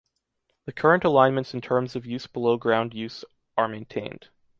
The current alignments in terms of use below ground use are maintained.